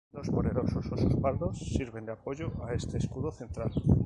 Dos poderosos osos pardos sirven de apoyo a este escudo central.